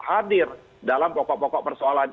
hadir dalam pokok pokok persoalan